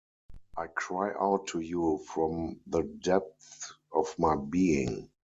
I cry out to you from the depths of my being.